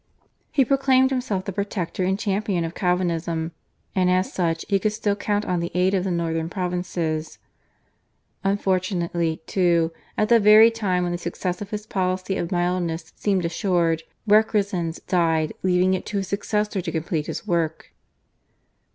He proclaimed himself the protector and champion of Calvinism, and as such he could still count on the aid of the northern provinces. Unfortunately, too, at the very time when the success of his policy of mildness seemed assured, Requesens died leaving it to his successor to complete his work.